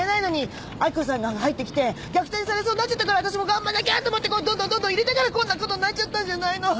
明子さんが入ってきて逆転されそうになっちゃったからわたしも頑張んなきゃと思ってどんどんどんどん入れたからこんなことになっちゃったんじゃないの。